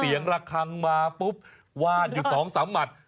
เสียงละครังมาปุ๊บวาดอยู่สองสามหมัด